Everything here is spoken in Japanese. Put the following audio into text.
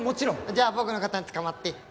じゃあ僕の肩につかまって。